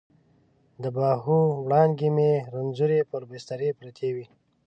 د باهو وړانګې مې رنځورې پر بستر پرتې وي